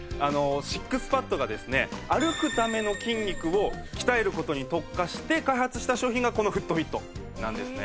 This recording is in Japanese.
シックスパッドがですね歩くための筋肉を鍛える事に特化して開発した商品がこのフットフィットなんですね。